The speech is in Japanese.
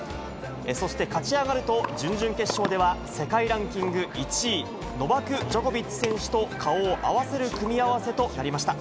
そして勝ち上がると、準々決勝では世界ランキング１位、ノバク・ジョコビッチ選手と顔を合わせる組み合わせとなりました。